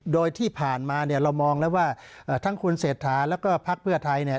โดยที่ผ่านมาเรามองแล้วว่าทั้งคุณเศรษฐาและภาคเพื่อไทย